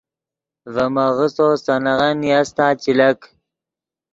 ڤے میغسّو سے نغن نیاستا چے لک